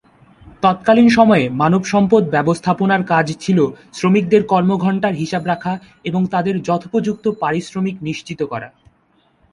তৎকালীন সময়ে মানব সম্পদ ব্যবস্থাপনার কাজ ছিল শ্রমিকদের কর্ম-ঘণ্টার হিসাব রাখা এবং তাদের যথোপযুক্ত পারিশ্রমিক নিশ্চিত করা।